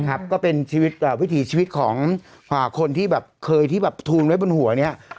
ก็เป็นวิถีชีวิตของคนที่แบบเคยที่แบบทูลไว้บนหัวเนี่ย